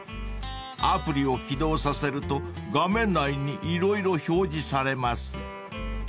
［アプリを起動させると画面内に色々表示されます］